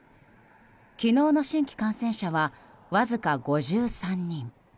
昨日の新規感染者はわずか５３人。